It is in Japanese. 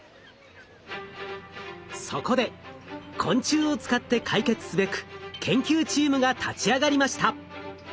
そこで昆虫を使って解決すべく研究チームが立ち上がりました。